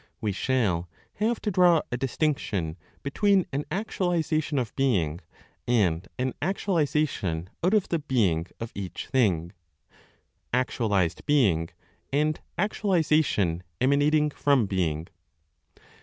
We shall have to draw a distinction between an actualization of being, and an actualization out of the being of each thing (actualized being, and actualization emanating from being).